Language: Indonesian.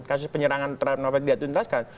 kasus penyerangan terhadap novel tidak tuntaskan